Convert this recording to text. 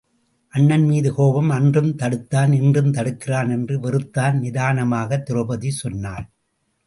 அண்ணன் மீது கோபம் அன்றும் தடுத்தான் இன்றும் தடுக்கிறான் என்று வெறுத்தான் நிதானமாகத் திரெளபதி சொன்னாள்.